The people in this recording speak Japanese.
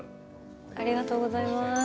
ありがとうございます。